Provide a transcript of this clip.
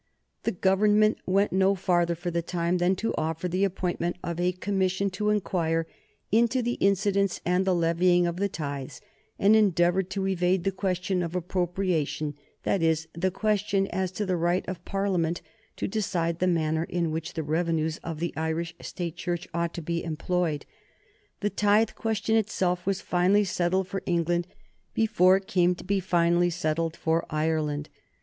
The Government went no farther, for the time, than to offer the appointment of a commission to inquire into the incidence and the levying of the tithes, and endeavored to evade the question of appropriation, that is, the question as to the right of Parliament to decide the manner in which the revenues of the Irish State Church ought to be employed. The tithe question itself was finally settled for England before it came to be finally settled for Ireland.